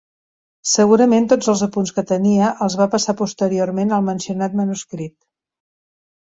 Segurament, tots els apunts que tenia els va passar posteriorment al mencionat manuscrit.